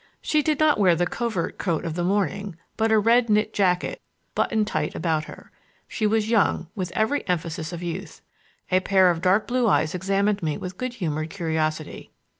She did not wear the covert coat of the morning, but a red knit jacket, buttoned tight about her. She was young with every emphasis of youth. A pair of dark blue eyes examined me with good humored curiosity.